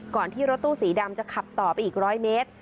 ที่รถตู้สีดำจะขับต่อไปอีก๑๐๐เมตร